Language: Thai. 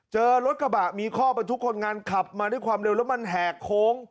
เจอรถกระบะมีข้อบรรทุกคนงานขับมาด้วยความเร็วแล้วมันแหกโค้ง